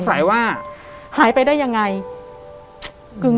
แต่ขอให้เรียนจบปริญญาตรีก่อน